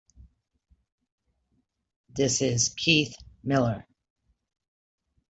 This is Keith Miller.